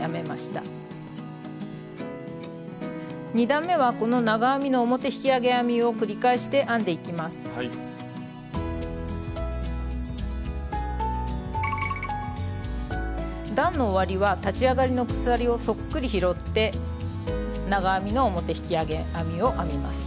段の終わりは立ち上がりの鎖をそっくり拾って長編みの表引き上げ編みを編みます。